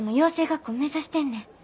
学校目指してんねん。